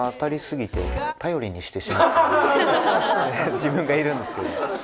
自分がいるんですけど。